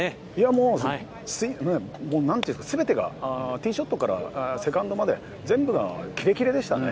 もう全てがティーショットからセカンドまで、全部が切れ切れでしたね。